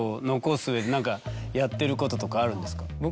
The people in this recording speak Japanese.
やってることとかあるんですか？